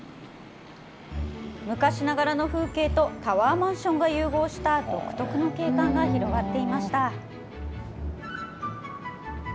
昔ながらの風景とタワーマンションが融合した独特の景観が広がっていました。